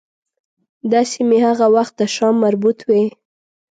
دا سیمې هغه وخت د شام مربوط وې.